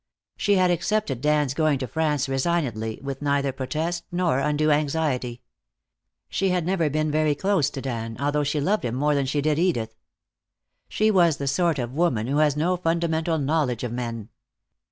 She had accepted Dan's going to France resignedly, with neither protest nor undue anxiety. She had never been very close to Dan, although she loved him more than she did Edith. She was the sort of woman who has no fundamental knowledge of men.